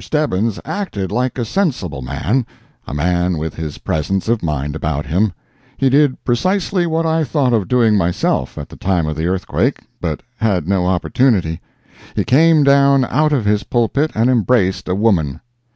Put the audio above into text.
Stebbins acted like a sensible man—a man with his presence of mind about him—he did precisely what I thought of doing myself at the time of the earthquake, but had no opportunity—he came down out of his pulpit and embraced a woman.